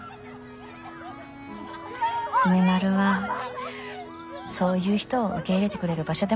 梅丸はそういう人を受け入れてくれる場所でもあるの。